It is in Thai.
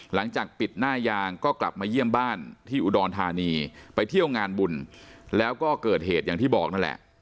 หลังจากปิดหน้ายางก็กลับมาเยี่ยมบ้านที่อุดรธานีไปเที่ยวงานบุญแล้วก็เกิดเหตุอย่างที่บอกนั่นแหละ